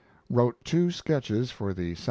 Wrote two sketches for The Sat.